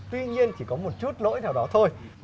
tuy nhiên chỉ có một chút lỗi nào đó thôi